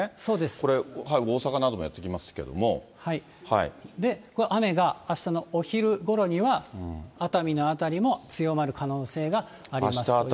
これ、大阪などもやって来ま雨があしたのお昼ごろには熱海の辺りも強まる可能性がありますということですね。